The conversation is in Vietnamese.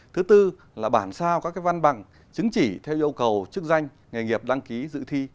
thứ tư là bản sao các văn bằng chứng chỉ theo yêu cầu chức danh nghề nghiệp đăng ký dự thi